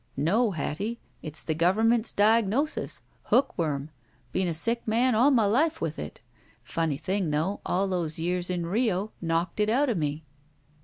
"No, Hattie. It's the government's diagnosis. Hookworm. Been a sick man all my life with it. Pimny thing, though, all those years in Rio knocked it out of me."